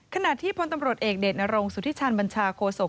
ขณะที่พลตำรวจเอกเดชนรงสุธิชันบัญชาโคศก